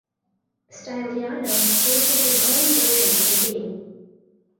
Stylianos painted his own version of the theme.